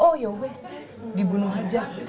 oh ya wes dibunuh aja